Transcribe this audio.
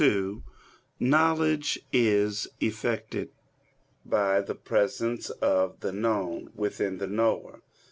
2), knowledge is effected by the presence of the known within the knower.